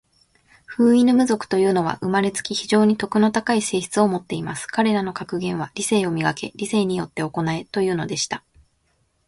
フウイヌム族というのは、生れつき、非常に徳の高い性質を持っています。彼等の格言は、『理性を磨け。理性によって行え。』というのでした。